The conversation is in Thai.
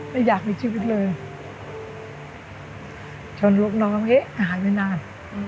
ไม่อยากมีชีวิตเลยชนลูกน้องเอ๊ะหายไปนาน